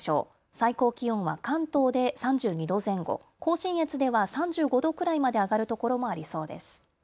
最高気温は関東で３２度前後、甲信越では３５度くらいまで上がるところもありそうです。